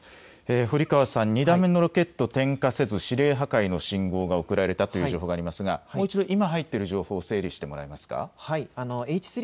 堀川さん、２段目のロケット点火せず指令破壊の指示が送られたという情報がありますがもう一度、入っている情報、整理してもらえますか。